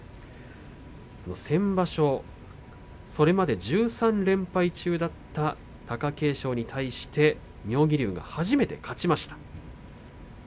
先場所それまで１３連敗中だった貴景勝に対して妙義龍が初めて勝ちました。